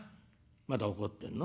まだ怒ってんの？